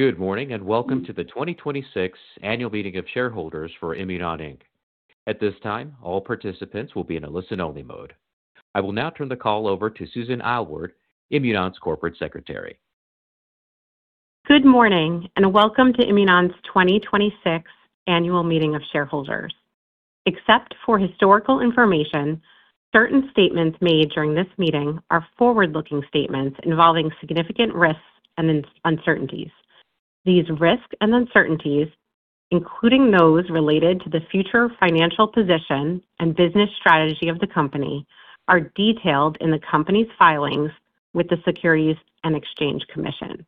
Good morning, welcome to the 2026 Annual Meeting of Shareholders for Imunon, Inc. At this time, all participants will be in a listen-only mode. I will now turn the call over to Susan Eylward, Imunon's Corporate Secretary. Good morning, welcome to Imunon's 2026 Annual Meeting of Shareholders. Except for historical information, certain statements made during this meeting are forward-looking statements involving significant risks and uncertainties. These risks and uncertainties, including those related to the future financial position and business strategy of the company, are detailed in the company's filings with the Securities and Exchange Commission.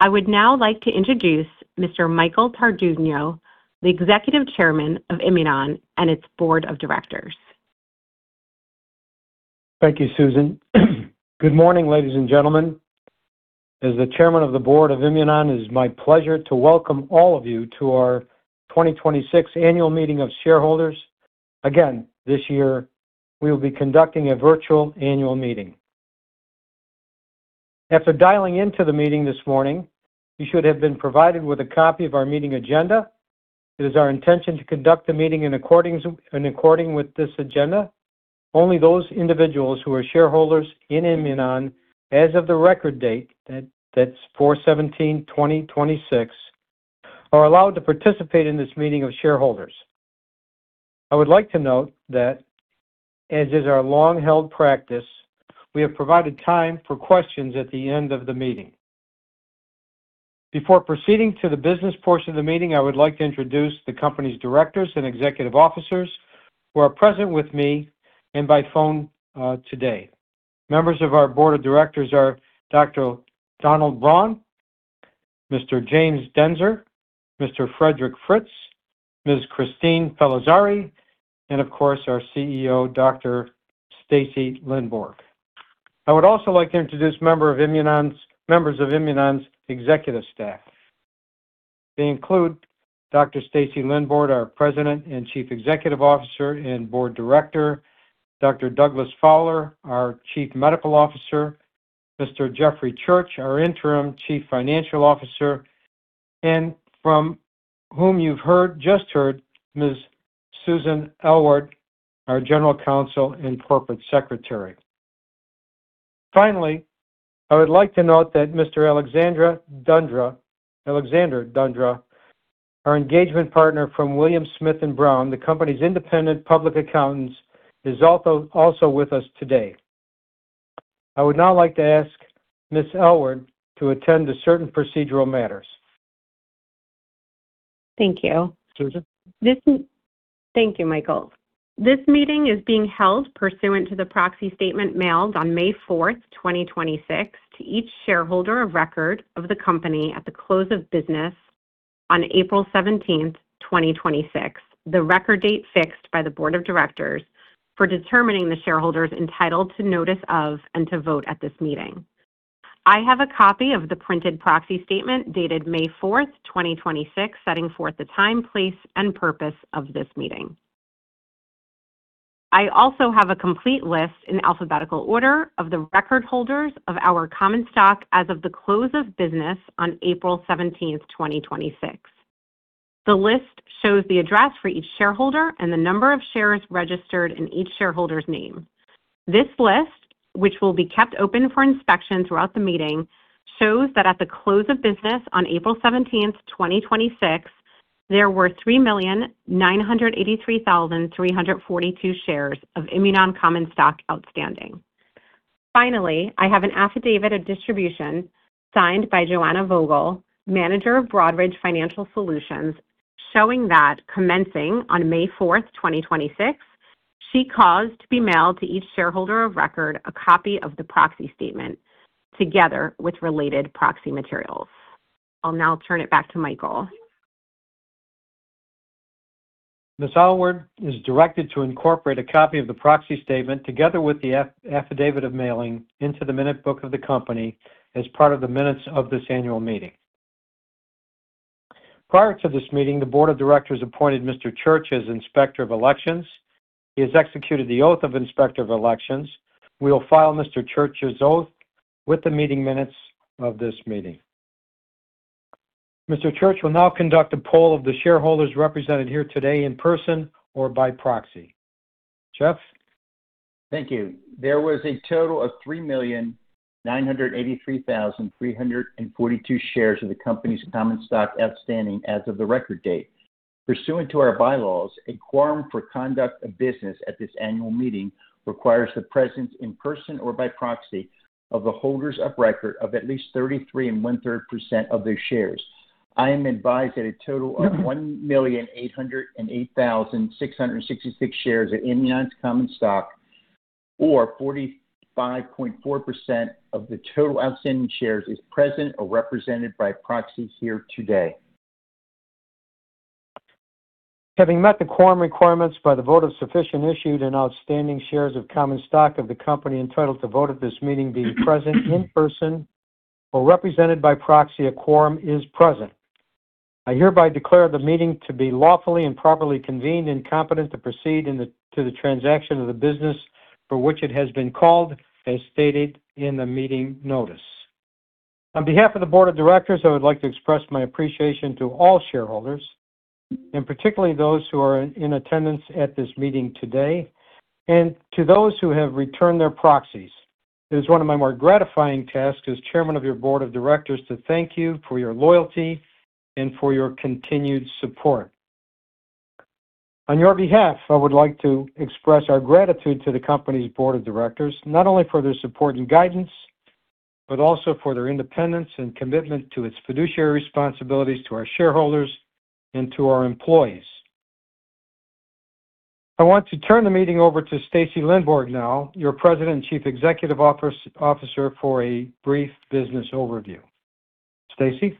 I would now like to introduce Mr. Michael Tardugno, the Executive Chairman of Imunon and its Board of Directors. Thank you, Susan. Good morning, ladies and gentlemen. As the Chairman of the Board of Imunon, it is my pleasure to welcome all of you to our 2026 Annual Meeting of Shareholders. Again, this year, we will be conducting a virtual annual meeting. After dialing into the meeting this morning, you should have been provided with a copy of our meeting agenda. It is our intention to conduct the meeting in accordance with this agenda. Only those individuals who are shareholders in Imunon as of the record date, that's 4/17/2026, are allowed to participate in this meeting of shareholders. I would like to note that, as is our long-held practice, we have provided time for questions at the end of the meeting. Before proceeding to the business portion of the meeting, I would like to introduce the company's directors and executive officers who are present with me and by phone today. Members of our Board of Directors are Dr. Donald Braun, Mr. James Dentzer, Mr. Frederick Fritz, Ms. Christine Pellizzari, and of course, our CEO, Dr. Stacy Lindborg. I would also like to introduce members of Imunon's executive staff. They include Dr. Stacy Lindborg, our President and Chief Executive Officer and Board Director, Dr. Douglas Faller, our Chief Medical Officer, Mr. Jeffrey Church, our interim Chief Financial Officer, and from whom you've just heard, Ms. Susan Eylward, our General Counsel and Corporate Secretary. Finally, I would like to note that Mr. Alexander Dundara, our Engagement Partner from WithumSmith+Brown, the company's independent public accountants, is also with us today. I would now like to ask Ms. Eylward to attend to certain procedural matters. Thank you. Susan? Thank you, Michael. This meeting is being held pursuant to the proxy statement mailed on May 4th, 2026, to each shareholder of record of the company at the close of business on April 17th, 2026, the record date fixed by the board of directors for determining the shareholders entitled to notice of and to vote at this meeting. I have a copy of the printed proxy statement dated May 4th, 2026, setting forth the time, place, and purpose of this meeting. I also have a complete list in alphabetical order of the record holders of our common stock as of the close of business on April 17th, 2026. The list shows the address for each shareholder and the number of shares registered in each shareholder's name. This list, which will be kept open for inspection throughout the meeting, shows that at the close of business on April 17th, 2026, there were 3,983,342 shares of Imunon common stock outstanding. I have an affidavit of distribution signed by Joanna Vogel, manager of Broadridge Financial Solutions, showing that commencing on May 4th, 2026, she caused to be mailed to each shareholder of record a copy of the proxy statement together with related proxy materials. I'll now turn it back to Michael. Ms. Eylward is directed to incorporate a copy of the proxy statement together with the affidavit of mailing into the minute book of the company as part of the minutes of this annual meeting. Prior to this meeting, the Board of Directors appointed Mr. Church as Inspector of Elections. He has executed the Oath of Inspector of Elections. We will file Mr. Church's oath with the meeting minutes of this meeting. Mr. Church will now conduct a poll of the shareholders represented here today in person or by proxy. Jeff? Thank you. There was a total of 3,983,342 shares of the company's common stock outstanding as of the record date. Pursuant to our bylaws, a quorum for conduct of business at this annual meeting requires the presence in person or by proxy of the holders of record of at least 33 and one-third% of their shares. I am advised that a total of 1,808,666 shares of Imunon's common stock, or 45.4% of the total outstanding shares, is present or represented by proxy here today. Having met the quorum requirements by the vote of sufficient issued and outstanding shares of common stock of the company entitled to vote at this meeting being present in person or represented by proxy, a quorum is present. I hereby declare the meeting to be lawfully and properly convened and competent to proceed to the transaction of the business for which it has been called, as stated in the meeting notice. On behalf of the board of directors, I would like to express my appreciation to all shareholders, and particularly those who are in attendance at this meeting today, and to those who have returned their proxies. It is one of my more gratifying tasks as chairman of your board of directors to thank you for your loyalty and for your continued support. On your behalf, I would like to express our gratitude to the company's board of directors, not only for their support and guidance, but also for their independence and commitment to its fiduciary responsibilities to our shareholders and to our employees. I want to turn the meeting over to Stacy Lindborg now, your President and Chief Executive Officer, for a brief business overview. Stacy?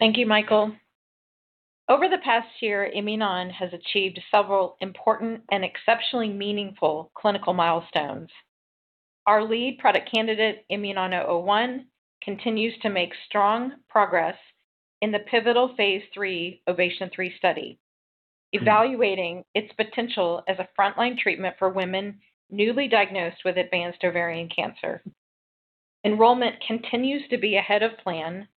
Thank you, Michael. Over the past year, Imunon has achieved several important and exceptionally meaningful clinical milestones. Our lead product candidate, IMNN-001, continues to make strong progress in the pivotal phase III OVATION 3 study, evaluating its potential as a frontline treatment for women newly diagnosed with advanced ovarian cancer. Enrollment continues to be ahead of plan,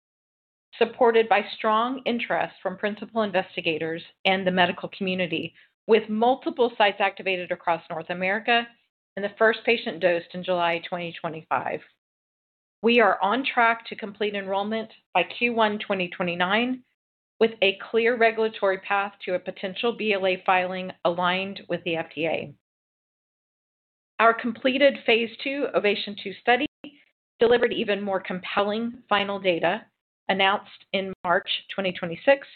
supported by strong interest from principal investigators and the medical community, with multiple sites activated across North America and the first patient dosed in July 2025. We are on track to complete enrollment by Q1 2029, with a clear regulatory path to a potential BLA filing aligned with the FDA. Our completed phase II OVATION 2 study delivered even more compelling final data announced in March 2026,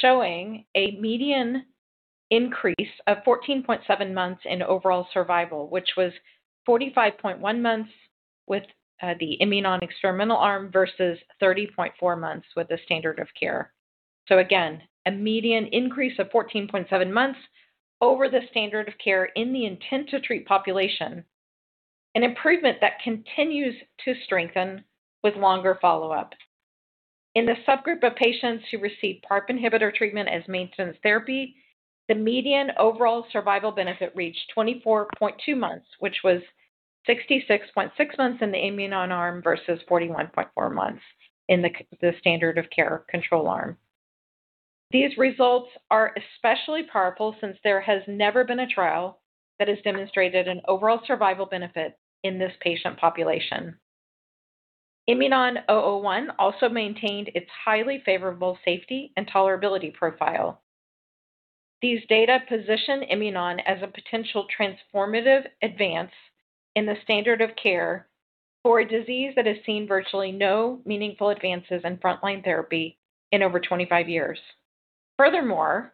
showing a median increase of 14.7 months in overall survival, which was 45.1 months with the IMNN-001 experimental arm versus 30.4 months with the standard of care. Again, a median increase of 14.7 months over the standard of care in the intent-to-treat population, an improvement that continues to strengthen with longer follow-up. In the subgroup of patients who received PARP inhibitor treatment as maintenance therapy, the median overall survival benefit reached 24.2 months, which was 66.6 months in the IMNN-001 arm versus 41.4 months in the standard of care control arm. These results are especially powerful since there has never been a trial that has demonstrated an overall survival benefit in this patient population. IMNN-001 also maintained its highly favorable safety and tolerability profile. These data position Imunon as a potential transformative advance in the standard of care for a disease that has seen virtually no meaningful advances in frontline therapy in over 25 years. Furthermore,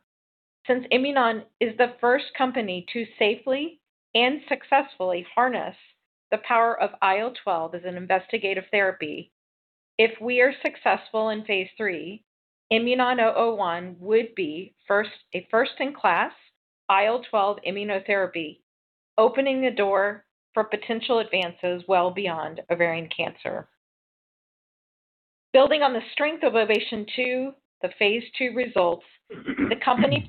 since Imunon is the first company to safely and successfully harness the power of IL-12 as an investigative therapy, if we are successful in phase III, IMNN-001 would be a first-in-class IL-12 immunotherapy, opening the door for potential advances well beyond ovarian cancer. Building on the strength of OVATION 2, the phase II results, the company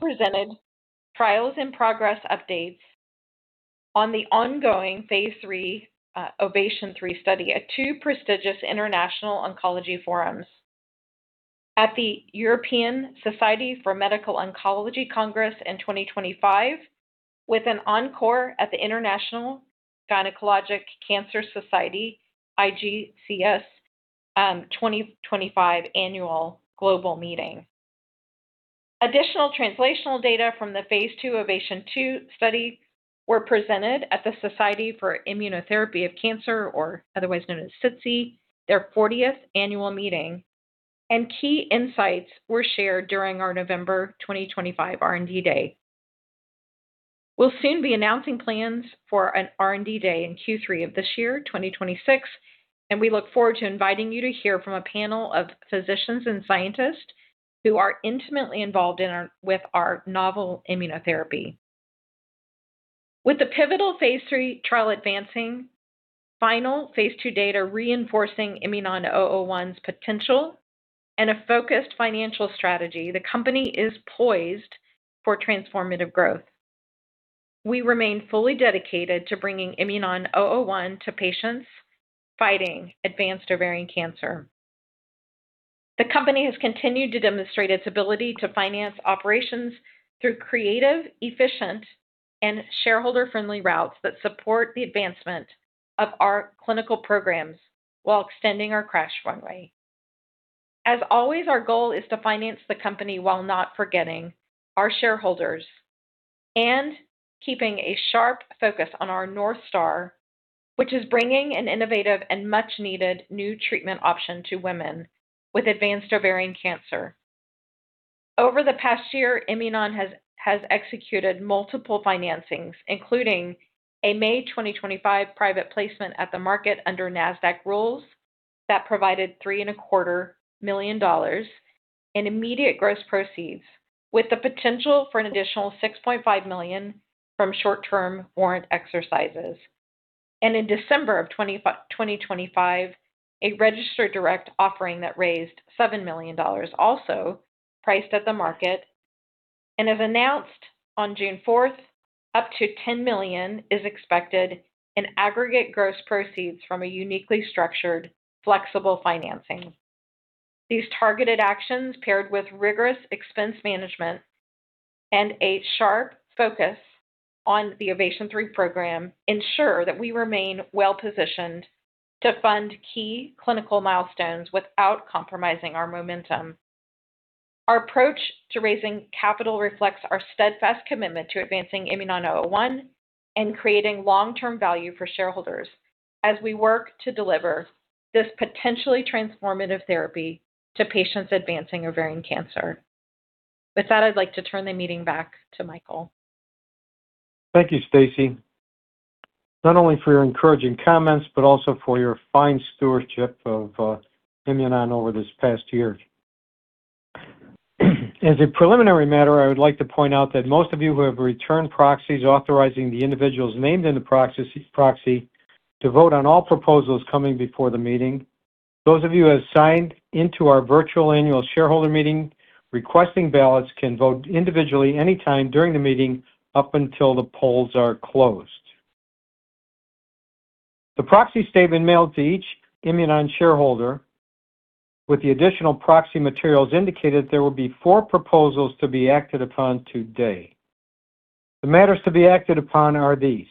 presented trials and progress updates on the ongoing phase III, OVATION 3 study at two prestigious international oncology forums. At the European Society for Medical Oncology Congress in 2025, with an encore at the International Gynecologic Cancer Society, IGCS 2025 annual global meeting. Additional translational data from the phase II OVATION 2 study were presented at the Society for Immunotherapy of Cancer, or otherwise known as SITC, their 40th annual meeting, and key insights were shared during our November 2025 R&D Day. We'll soon be announcing plans for an R&D Day in Q3 2026, and we look forward to inviting you to hear from a panel of physicians and scientists who are intimately involved with our novel immunotherapy. With the pivotal phase III trial advancing, final phase II data reinforcing IMNN-001's potential, and a focused financial strategy, the company is poised for transformative growth. We remain fully dedicated to bringing IMNN-001 to patients fighting advanced ovarian cancer. The company has continued to demonstrate its ability to finance operations through creative, efficient, and shareholder-friendly routes that support the advancement of our clinical programs while extending our cash runway. As always, our goal is to finance the company while not forgetting our shareholders and keeping a sharp focus on our North Star, which is bringing an innovative and much-needed new treatment option to women with advanced ovarian cancer. Over the past year, Imunon has executed multiple financings, including a May 2025 private placement at the market under NASDAQ rules that provided $3.25 million in immediate gross proceeds, with the potential for an additional $6.5 million from short-term warrant exercises. In December of 2025, a registered direct offering that raised $7 million, also priced at the market, and as announced on June 4th, up to $10 million is expected in aggregate gross proceeds from a uniquely structured, flexible financing. These targeted actions, paired with rigorous expense management and a sharp focus on the OVATION 3 program, ensure that we remain well-positioned to fund key clinical milestones without compromising our momentum. Our approach to raising capital reflects our steadfast commitment to advancing IMNN-001 and creating long-term value for shareholders as we work to deliver this potentially transformative therapy to patients advancing ovarian cancer. With that, I'd like to turn the meeting back to Michael. Thank you, Stacy, not only for your encouraging comments but also for your fine stewardship of Imunon over this past year. As a preliminary matter, I would like to point out that most of you who have returned proxies authorizing the individuals named in the proxy to vote on all proposals coming before the meeting. Those of you who have signed into our virtual annual shareholder meeting requesting ballots can vote individually anytime during the meeting up until the polls are closed. The proxy statement mailed to each Imunon shareholder with the additional proxy materials indicated there will be four proposals to be acted upon today. The matters to be acted upon are these: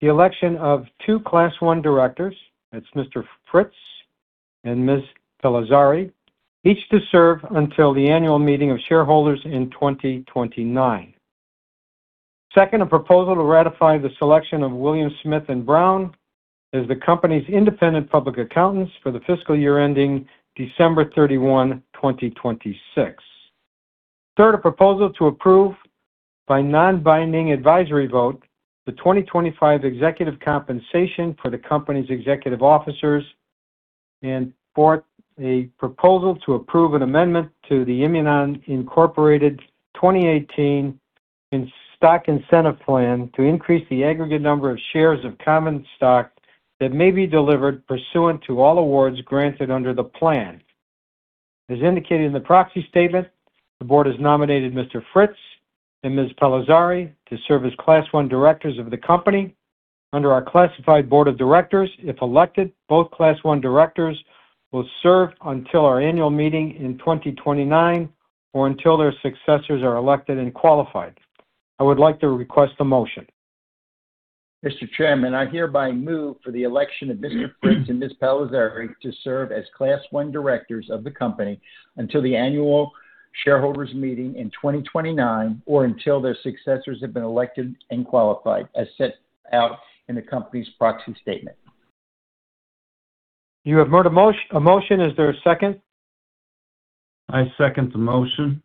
the election of two Class I directors. That's Mr. Fritz and Ms. Pellizzari, each to serve until the annual meeting of shareholders in 2029. Second, a proposal to ratify the selection of WithumSmith+Brown as the company's independent public accountants for the fiscal year ending December 31, 2026. Third, a proposal to approve by non-binding advisory vote the 2025 executive compensation for the company's executive officers, and fourth, a proposal to approve an amendment to the Imunon, Inc. 2018 Stock Incentive Plan to increase the aggregate number of shares of common stock that may be delivered pursuant to all awards granted under the plan. As indicated in the proxy statement, the board has nominated Mr. Fritz and Ms. Pellizzari to serve as Class I directors of the company under our classified board of directors. If elected, both Class I directors will serve until our annual meeting in 2029 or until their successors are elected and qualified. I would like to request a motion. Mr. Chairman, I hereby move for the election of Mr. Fritz and Ms. Pellizzari to serve as Class I directors of the company until the annual shareholders meeting in 2029 or until their successors have been elected and qualified, as set out in the company's proxy statement. You have heard a motion. Is there a second? I second the motion.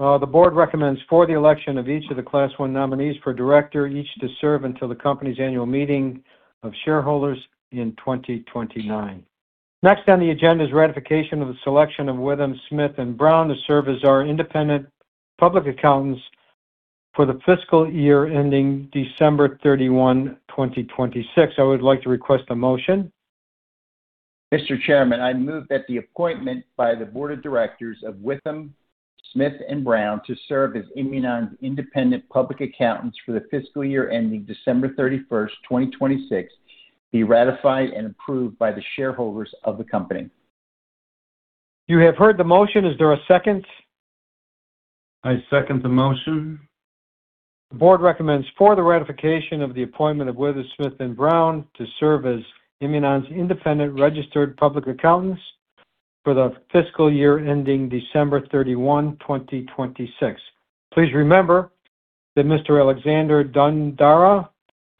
The board recommends for the election of each of the Class I nominees for director, each to serve until the company's annual meeting of shareholders in 2029. Next on the agenda is ratification of the selection of WithumSmith+Brown to serve as our independent public accountants for the fiscal year ending December 31, 2026. I would like to request a motion. Mr. Chairman, I move that the appointment by the board of directors of WithumSmith+Brown to serve as Imunon's independent public accountants for the fiscal year ending December 31st, 2026, be ratified and approved by the shareholders of the company. You have heard the motion. Is there a second? I second the motion. The board recommends for the ratification of the appointment of WithumSmith+Brown to serve as Imunon's independent registered public accountants for the fiscal year ending December 31, 2026. Please remember that Mr. Alexander Dundara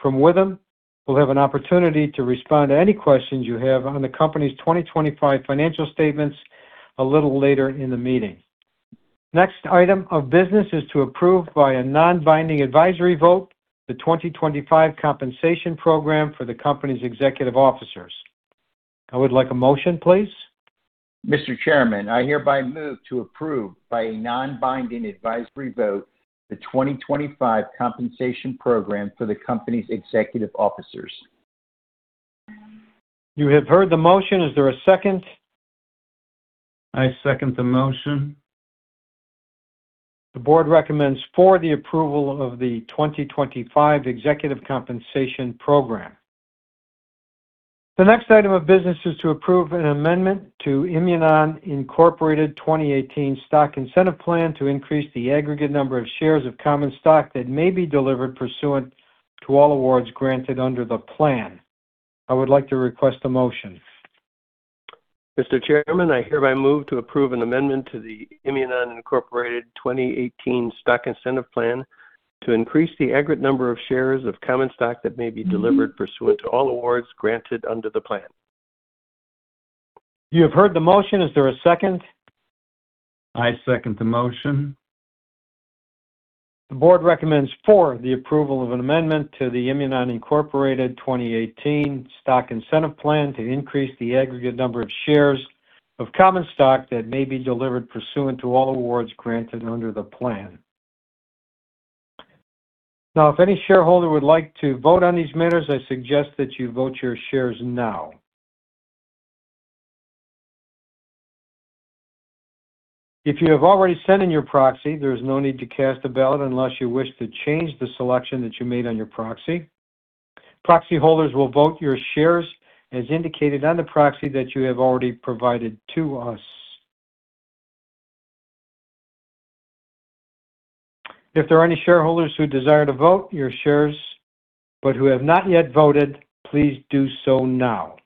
from Withum will have an opportunity to respond to any questions you have on the company's 2025 financial statements a little later in the meeting. Next item of business is to approve by a non-binding advisory vote the 2025 compensation program for the company's executive officers. I would like a motion, please. Mr. Chairman, I hereby move to approve by a non-binding advisory vote the 2025 compensation program for the company's executive officers. You have heard the motion. Is there a second? I second the motion. The board recommends for the approval of the 2025 executive compensation program. The next item of business is to approve an amendment to Imunon, Inc. 2018 Stock Incentive Plan to increase the aggregate number of shares of common stock that may be delivered pursuant to all awards granted under the plan. I would like to request a motion. Mr. Chairman, I hereby move to approve an amendment to the Imunon, Inc. 2018 Stock Incentive Plan to increase the aggregate number of shares of common stock that may be delivered pursuant to all awards granted under the plan. You have heard the motion. Is there a second? I second the motion. The board recommends for the approval of an amendment to the Imunon, Inc. 2018 Stock Incentive Plan to increase the aggregate number of shares of common stock that may be delivered pursuant to all awards granted under the plan. If any shareholder would like to vote on these matters, I suggest that you vote your shares now. If you have already sent in your proxy, there is no need to cast a ballot unless you wish to change the selection that you made on your proxy. Proxy holders will vote your shares as indicated on the proxy that you have already provided to us. If there are any shareholders who desire to vote your shares but who have not yet voted, please do so now.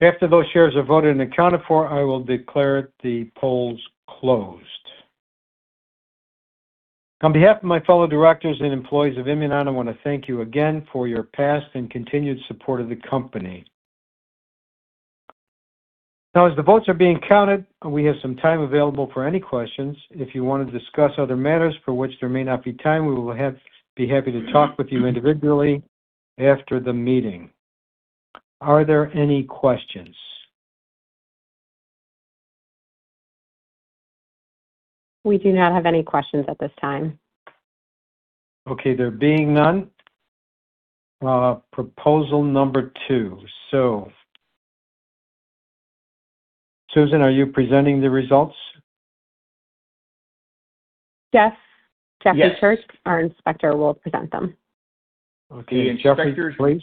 After those shares are voted and accounted for, I will declare the polls closed. On behalf of my fellow directors and employees of Imunon, I want to thank you again for your past and continued support of the company. As the votes are being counted, we have some time available for any questions. If you want to discuss other matters for which there may not be time, we will be happy to talk with you individually after the meeting. Are there any questions? We do not have any questions at this time. Okay. There being none, proposal number 2. Susan, are you presenting the results? Jeff. Yes. Jeffrey Church, our inspector, will present them. Okay. Jeffrey, please.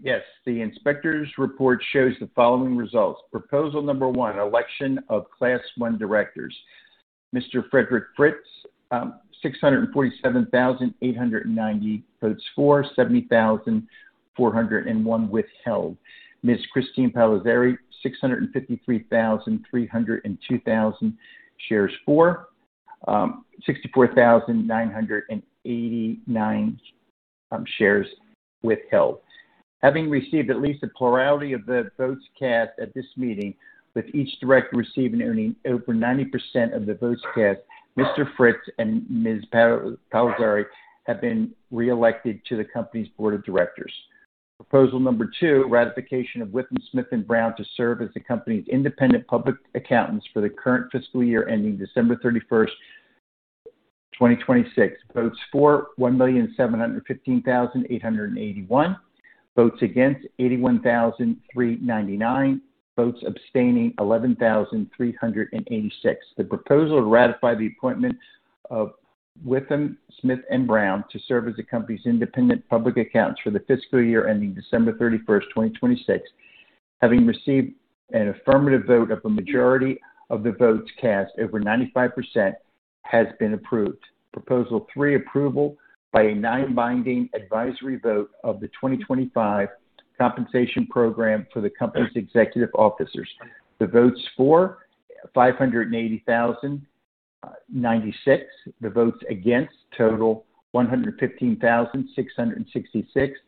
Yes. The inspector's report shows the following results. Proposal number one, election of Class I directors. Mr. Frederick Fritz, 647,890 votes for, 70,401 withheld. Ms. Christine Pellizzari, 653,302 shares for, 64,989 shares withheld. Having received at least a plurality of the votes cast at this meeting, with each director receiving over 90% of the votes cast, Mr. Fritz and Ms. Pellizzari have been reelected to the company's board of directors. Proposal number two, ratification of WithumSmith+Brown to serve as the company's independent public accountants for the current fiscal year ending December 31st, 2026. Votes for, 1,715,881. Votes against, 81,399. Votes abstaining, 11,386. The proposal to ratify the appointment of WithumSmith+Brown to serve as the company's independent public accountants for the fiscal year ending December 31st, 2026, having received an affirmative vote of a majority of the votes cast, over 95%, has been approved. Proposal three, approval by a non-binding advisory vote of the 2025 compensation program for the company's executive officers. The votes for, 580,096. The votes against total, 115,666.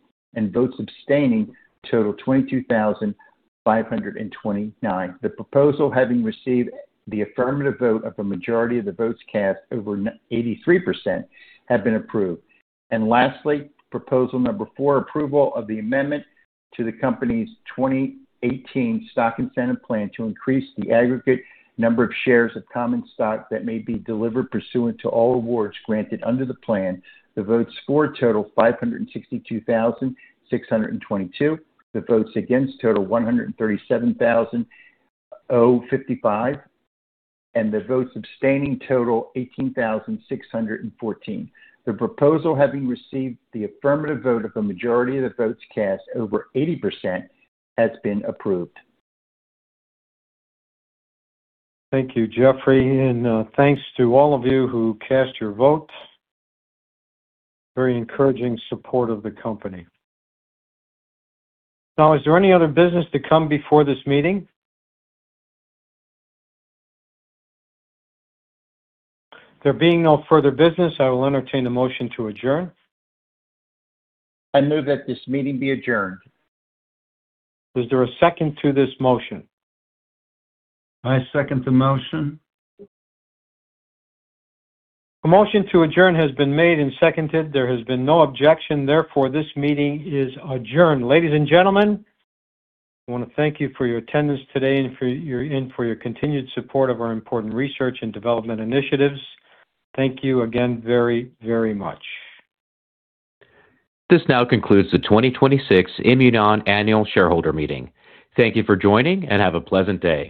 Votes abstaining total, 22,529. The proposal having received the affirmative vote of a majority of the votes cast, over 83%, have been approved. Lastly, proposal number four, approval of the amendment to the company's 2018 Stock Incentive Plan to increase the aggregate number of shares of common stock that may be delivered pursuant to all awards granted under the plan. The votes for total, 562,622. The votes against total, 137,055. The votes abstaining total, 18,614. The proposal having received the affirmative vote of a majority of the votes cast, over 80%, has been approved. Thank you, Jeffrey. Thanks to all of you who cast your votes. Very encouraging support of the company. Is there any other business to come before this meeting? There being no further business, I will entertain a motion to adjourn. I move that this meeting be adjourned. Is there a second to this motion? I second the motion. A motion to adjourn has been made and seconded. There has been no objection. Therefore, this meeting is adjourned. Ladies and gentlemen, I want to thank you for your attendance today and for your continued support of our important research and development initiatives. Thank you again very, very much. This now concludes the 2026 Imunon annual shareholder meeting. Thank you for joining, and have a pleasant day